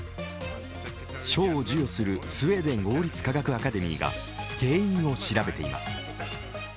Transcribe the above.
賞を授与するスウェーデン王立科学アカデミーが原因を調べています。